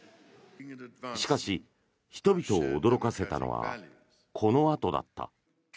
しかし、人々を驚かせたのはこのあとだった。